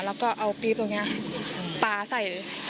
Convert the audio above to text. แล้วก็เอาปี๊บตรงนี้ปลาใส่